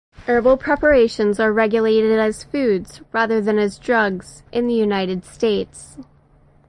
Herbal preparations are regulated as foods, rather than as drugs, in the United States.